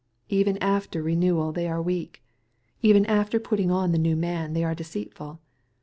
Even after renewal they «fcre weak. Even after putting on the new man they are deceitful.